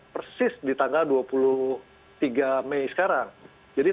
persis di tanggal dua puluh tiga mei sekarang